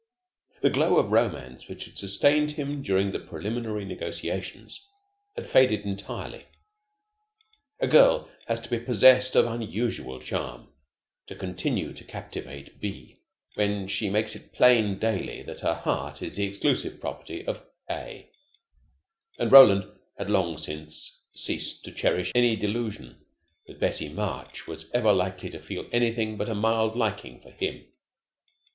The glow of romance which had sustained him during the preliminary negotiations had faded entirely. A girl has to be possessed of unusual charm to continue to captivate B, when she makes it plain daily that her heart is the exclusive property of A; and Roland had long since ceased to cherish any delusion that Bessie March was ever likely to feel anything but a mild liking for him.